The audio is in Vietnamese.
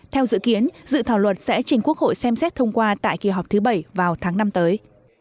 theo dự kiến dự thảo luật sẽ chỉnh quốc hội xem xét thông qua tại kỳ họp thứ bảy vào tháng năm tới